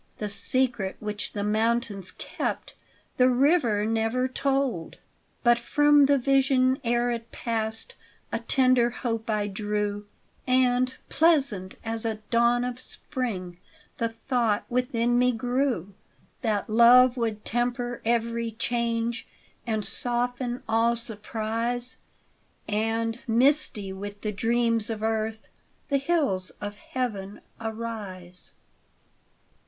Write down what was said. The secret which the mountains kept The river never told. But from the vision ere it passed A tender hope I drew, And, pleasant as a dawn of spring, The thought within me grew, That love would temper every change, And soften all surprise, And, misty with the dreams of earth, The hills of Heaven arise.